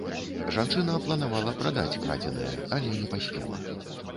Жанчына планавала прадаць крадзенае, але не паспела.